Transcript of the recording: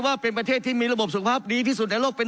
ว่าเป็นประเทศที่มีระบบสุขภาพดีที่สุดในโลกเป็น